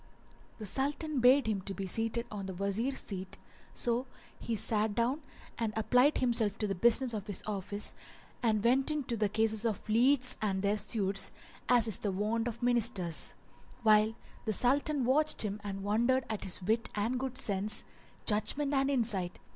The Sultan bade him be seated on the Wazir's seat, so he sat down and applied himself to the business of his office and went into the cases of the lieges and their suits, as is the wont of Ministers; while the Sultan watched him and wondered at his wit and good sense, judgement and insight.